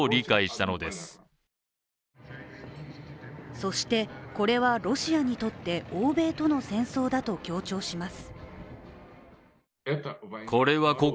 そして、これはロシアにとって欧米との戦争だと強調します。